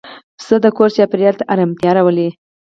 پسه د کور چاپېریال ته آرامتیا راولي.